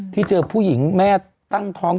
ที่เจอผู้หญิงแม่ตั้งท้อง